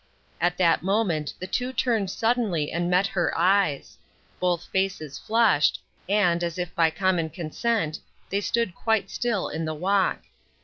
At that moment the two turned suddenly, and met her eyes. Both faces flushed, and, as if by com mon consent, they stood quite still in the walk.